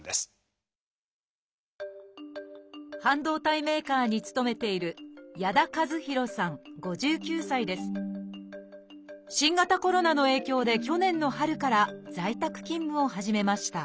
半導体メーカーに勤めている新型コロナの影響で去年の春から在宅勤務を始めました